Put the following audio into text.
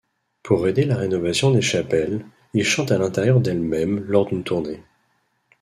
Pour aider la rénovation des chapelles, il chante à l'intérieur d'elles-même lors d'une tournée.